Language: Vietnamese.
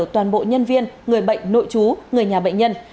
toàn bộ nhân viên người bệnh nội chú người nhà bệnh nhân